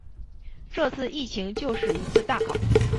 这次疫情就是一次大考